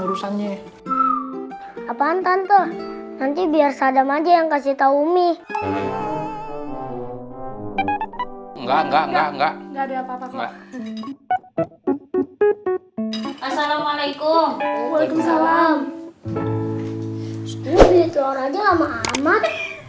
lu beli telur aja lama amat